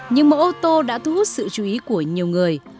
nhưng mẫu ô tô đã thu hút sự chú ý của nhiều người